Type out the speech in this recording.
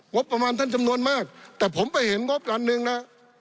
ประมาณท่านจำนวนมากแต่ผมไปเห็นงบอันหนึ่งนะ